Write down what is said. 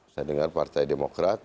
saya dengar partai demokrat